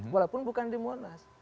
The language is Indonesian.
walaupun bukan di monas